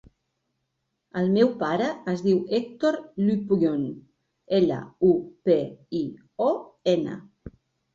El meu pare es diu Hèctor Lupion: ela, u, pe, i, o, ena.